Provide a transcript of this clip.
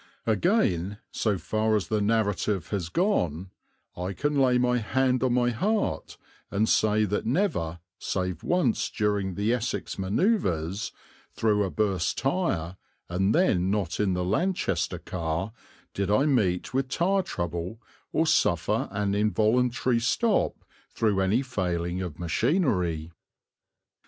Again, so far as the narrative has gone, I can lay my hand on my heart and say that never, save once during the Essex manoeuvres, through a burst tire, and then not in the Lanchester car, did I meet with tire trouble or suffer an involuntary stop through any failing of machinery.